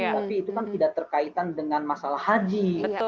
tapi itu kan tidak terkaitan dengan masalah haji